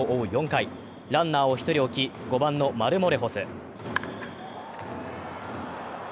４回、ランナーを１人置き、５番のマルモレホス。